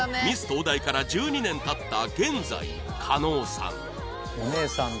東大から１２年たった現在の加納さん